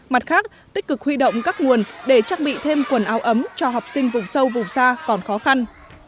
mặt khác tích cực huy động các nguồn để trang bị thêm quần áo ấm cho học sinh vùng sâu vùng xa còn khó khăn